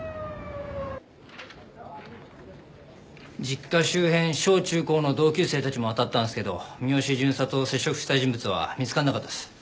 実家周辺小中高の同級生たちもあたったんですけど三好巡査と接触した人物は見つからなかったです。